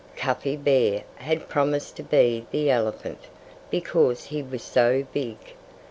Cuffy Bear had promised to be the elephant, because he was so big.